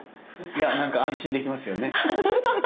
いやなんか安心できますよね。